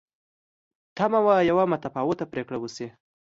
تمه وه یوه متفاوته پرېکړه وشي.